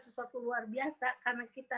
sesuatu luar biasa karena kita